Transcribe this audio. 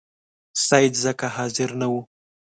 سید ځکه حاضر نه وو.